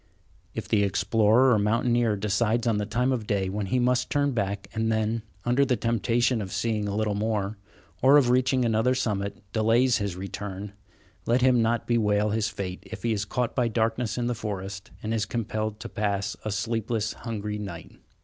If the explorer or mountaineer decides on the time of day when he must turn back, and then, under the temptation of seeing a little more, or of reaching another summit, delays his return, let him not bewail his fate if he is caught by darkness in the forest and is compelled to pass a sleepless, hungry night.